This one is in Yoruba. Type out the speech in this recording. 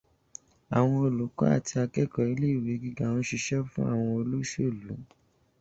Àwọn olùkọ́ àti akẹ́kọ̀ọ́ iléèwé gíga ń sisẹ́ fún àwọn olóṣèlú